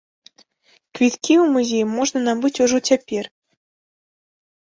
Квіткі ў музей можна набыць ужо цяпер.